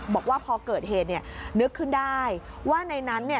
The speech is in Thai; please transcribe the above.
บอกว่าพอเกิดเหตุเนี่ยนึกขึ้นได้ว่าในนั้นเนี่ย